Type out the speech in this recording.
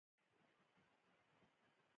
په پیل کې بشر په کارګر او خان وویشل شو